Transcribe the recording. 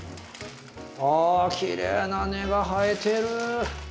あきれいな根が生えてる。